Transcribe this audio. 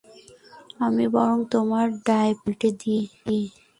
আমি বরং তোমার ডায়াপার পাল্টে দিই।